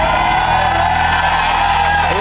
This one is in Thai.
อธิบายตี๕๕๕